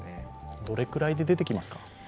どれくらいで出てきますか。